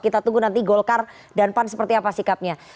kita tunggu nanti golkar dan pan seperti apa sikapnya